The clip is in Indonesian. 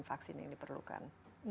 vaksin yang diperlukan